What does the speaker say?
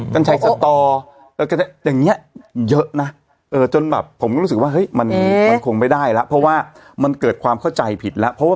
กัญชัยสตออย่างนี้เยอะนะจนแบบผมก็รู้สึกว่าเฮ้ยมันคงไม่ได้แล้วเพราะว่ามันเกิดความเข้าใจผิดแล้วเพราะว่า